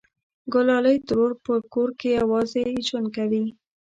گلالۍ ترور په کور کې یوازې ژوند کوي